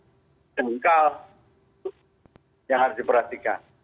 itu yang harus diperhatikan